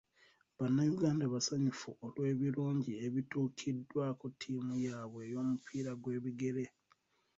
Bannayuganda basanyufu olw'ebirungi ebituukiddwako ttiimu yaabwe ey'omupiira gw'ebigere.